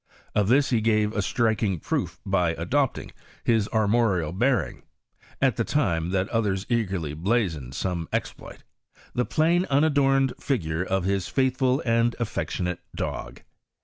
Of this he gave a striking proof, l^ adopting, as his armorial bearing (at the time that Others e^erly blaioned BOme exploit), the plun unadorned figure of hia faithful and affectionate dog.